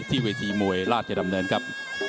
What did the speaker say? เวทีมวยราชดำเนินครับ